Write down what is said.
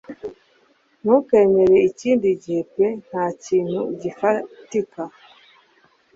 Ntukemere ikindi gihe pe ntakintu gifatika